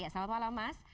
ya selamat malam mas